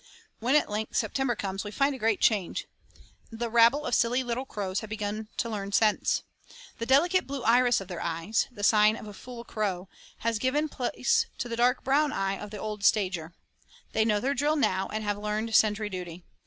When at length September comes we find a great change. The rabble of silly little crows have begun to learn sense. The delicate blue iris of their eyes, the sign of a fool crow, has given place to the dark brown eye of the old stager. They know their drill now and have learned sentry duty.